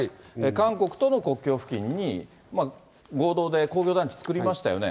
韓国との国境付近に合同で工業団地つくりましたよね。